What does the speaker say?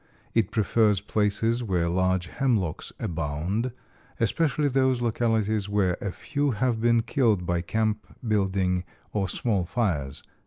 It prefers places where large hemlocks abound, especially those localities where a few have been killed by camp building or small fires."